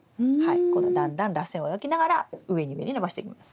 このだんだんらせんを描きながら上に上に伸ばしていきます。